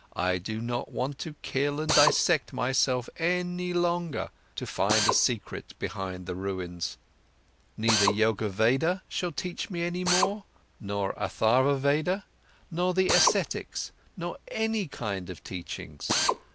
I do not want to kill and dissect myself any longer, to find a secret behind the ruins. Neither Yoga Veda shall teach me any more, nor Atharva Veda, nor the ascetics, nor any kind of teachings.